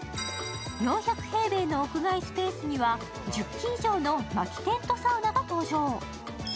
４００平米の屋外スペースには、１０基以上の薪テントサウナが登場。